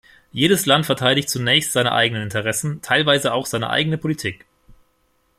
Jedes Land verteidigt zunächst seine eigenen Interessen, teilweise auch seine eigene Politik.